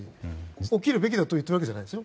起きるべきだと言っているわけじゃないですよ。